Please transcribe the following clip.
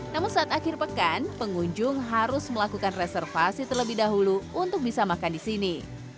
namun saat akhir pekan pengunjung harus melakukan reservasi terlebih dahulu untuk bisa makan di sini